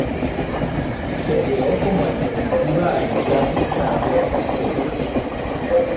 Se creó como alternativa a la clase Caravelle francesa.